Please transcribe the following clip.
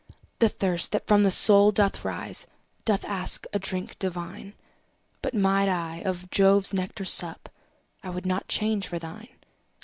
The thirst that from the soul doth rise, Doth ask a drink divine: But might I of Jove's nectar sup, I would not change for thine.